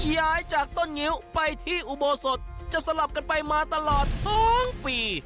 ย้ายจากต้นงิ้วไปที่อุโบสถจะสลับกันไปมาตลอดทั้งปี